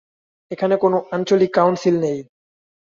এখানে কোন আঞ্চলিক কাউন্সিল নেই।